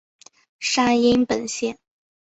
山阴本线。